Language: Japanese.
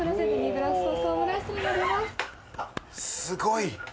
すごい！